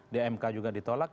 dmk juga ditolak